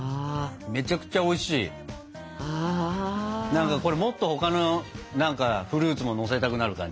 何かこれもっと他の何かフルーツものせたくなる感じ。